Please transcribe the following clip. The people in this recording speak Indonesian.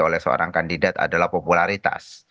oleh seorang kandidat adalah popularitas